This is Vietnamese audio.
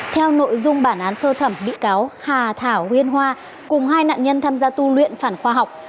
theo nội dung bản án sơ thẩm bị cáo hà thảo huyên hoa cùng hai nạn nhân tham gia tu luyện phản khoa học